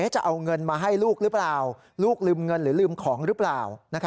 จะเอาเงินมาให้ลูกหรือเปล่าลูกลืมเงินหรือลืมของหรือเปล่า